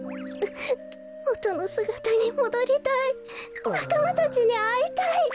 もとのすがたにもどりたいなかまたちにあいたい。